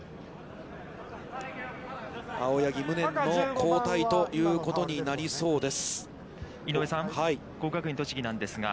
青柳、無念の交代ということになりそうです。